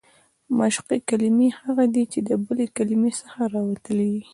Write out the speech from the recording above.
مشقي کلیمې هغه دي، چي د بلي کلیمې څخه راوتلي يي.